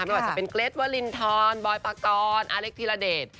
ไม่ว่าจะเป็นเกร็ดวาลินทอนบอยปากตอนอาเล็กธิระเดช